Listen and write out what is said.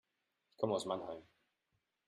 Ich komme aus Mannheim